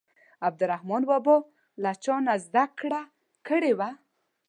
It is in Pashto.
عبدالرحمان بابا له چا نه زده کړه کړې وه.